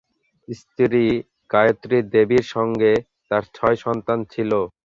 স্ত্রী গায়ত্রী দেবীর সঙ্গে তাঁর ছয় সন্তান ছিল।